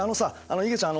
のいげちゃん